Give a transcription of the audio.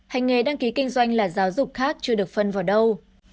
hành nghề đăng ký kinh doanh là giáo dục khác chưa được phân vào đâu